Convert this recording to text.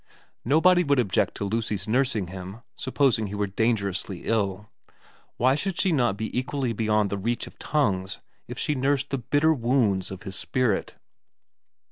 Nobody would object to Lucy's nursing him, supposing he were dangerously ill ; why should she not be equally beyond the reach of tongues if she nursed the bitter wounds of his spirit